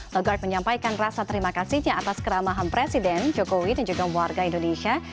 lagarde menyampaikan rasa terima kasihnya atas keramahan presiden jokowi dan juga warga indonesia